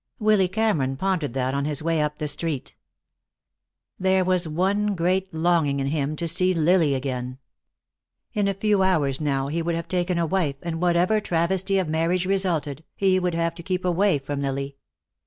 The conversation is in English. Willy Cameron pondered that on his way up the street. There was one great longing in him, to see Lily again. In a few hours now he would have taken a wife, and whatever travesty of marriage resulted, he would have to keep away from Lily.